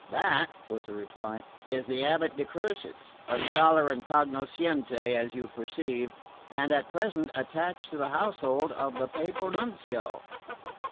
"That," was the reply, "is the abate de Crucis, a scholar and cognoscente, as you perceive, and at present attached to the household of the Papal Nuncio."